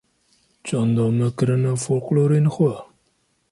çanda me kirine foqlorên xwe.